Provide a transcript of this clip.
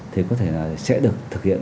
thì có thể là sẽ được thực hiện